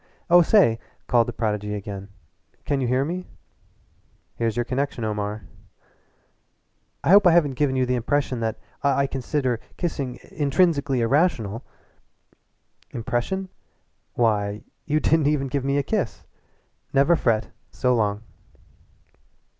"Oh, say!" called the prodigy again. "Can you hear me?" "Here's your connection Omar." "I hope I haven't given you the impression that I consider kissing intrinsically irrational." "Impression? Why, you didn't even give me the kiss! Never fret so long."